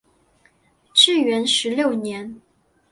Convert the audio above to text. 至元十六年。